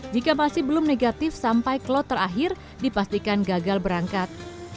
jika masih belum negatif sampai klot terakhir dipastikan gagal berangkat